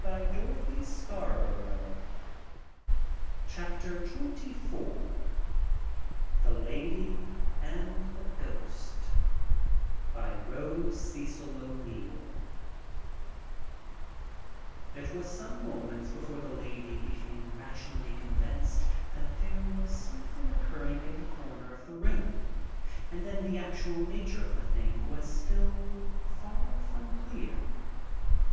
By permission of John Brisben Walker and Rose O'Neill. The Lady and the Ghost BY ROSE CECIL O'NEILL It was some moments before the Lady became rationally convinced that there was something occurring in the corner of the room, and then the actual nature of the thing was still far from clear.